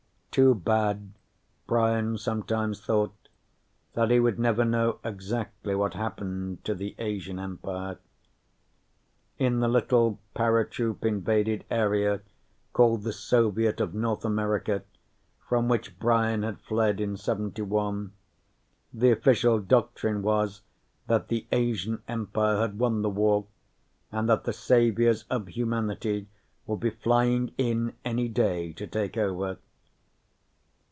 Too bad, Brian sometimes thought, that he would never know exactly what happened to the Asian Empire. In the little paratroop invaded area called the Soviet of North America, from which Brian had fled in '71, the official doctrine was that the Asian Empire had won the war and that the saviors of humanity would be flying in any day to take over.